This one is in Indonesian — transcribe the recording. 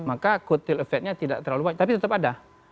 maka could till effectnya tidak terlalu banyak tapi tetap ada